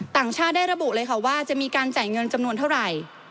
ต่างชาติได้ระบุเลยค่ะว่าจะมีการจ่ายเงินจำนวนเท่าไหร่